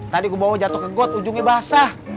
tadi gue bawa jatuh kegot ujungnya basah